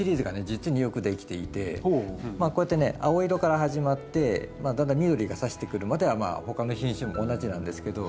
実によくできていてこうやってね青色から始まってだんだん緑がさしてくるまでは他の品種も同じなんですけど。